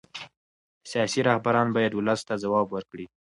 سیاسي رهبران باید ولس ته ځواب ورکړي